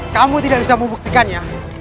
kamu tidak bisa membuktikannya